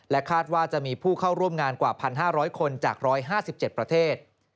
คาดว่าจะมีผู้เข้าร่วมงานกว่า๑๕๐๐คนจาก๑๕๗ประเทศ